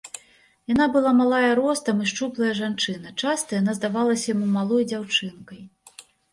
Яна была малая ростам і шчуплая жанчына, часта яна здавалася яму малой дзяўчынкай.